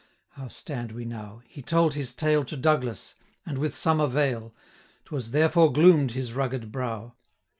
How stand we now? he told his tale To Douglas; and with some avail; 525 'Twas therefore gloom'd his rugged brow.